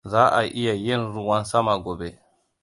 Za'a iya yin ruwan sama gobe.